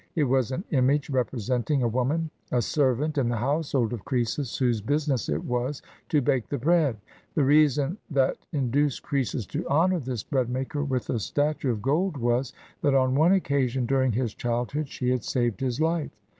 It was an image representing a woman, a servant in the household of Croesus, whose business it was to bake the bread. The reason that in duced Croesus to honor this bread maker with a statue 311 PERSIA of gold was, that on one occasion during his childhood she had saved his Hfe.